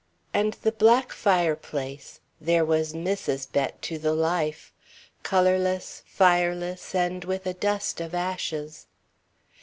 And the black fireplace there was Mrs. Bett to the life. Colourless, fireless, and with a dust of ashes.